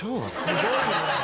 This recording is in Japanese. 「すごいね」